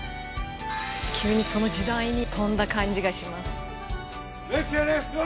急に、その時代に飛んだ感じがします。